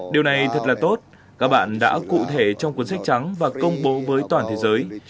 điều này thật là tốt các bạn đã cụ thể trong cuốn sách trắng và công bố với toàn thế giới